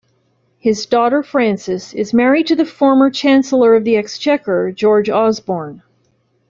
His daughter, Frances, is married to the former Chancellor of the Exchequer, George Osborne.